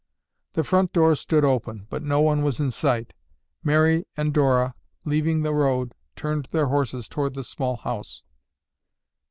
The front door stood open but no one was in sight. Mary and Dora, leaving the road, turned their horses toward the small house.